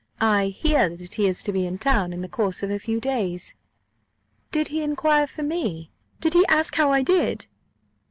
I hear that he is to be in town in the course of a few days." "Did he inquire for me? Did he ask how I did?"